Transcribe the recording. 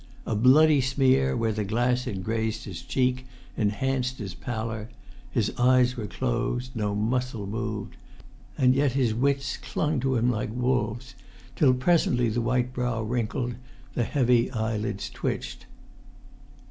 A bloody smear, where the glass had grazed his cheek, enhanced his pallor; his eyes were closed; no muscle moved. And yet his wits clung to him like wolves, till presently the white brow wrinkled, the heavy eyelids twitched.